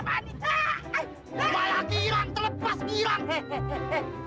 baya kirang terlepas kirang